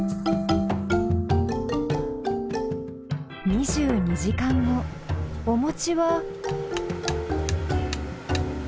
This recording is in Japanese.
２２時間後おもちは。